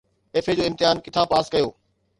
FA جو امتحان ڪٿان پاس ڪيو؟